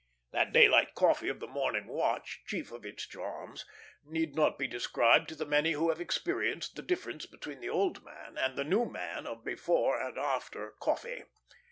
That daylight coffee of the morning watch, chief of its charms, need not be described to the many who have experienced the difference between the old man and the new man of before and after coffee.